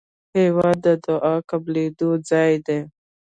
هېواد د دعا قبلېدو ځای دی.